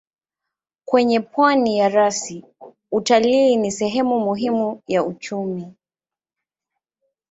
Kwenye pwani ya rasi utalii ni sehemu muhimu ya uchumi.